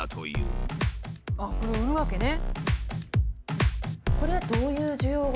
あっこれを売るわけね。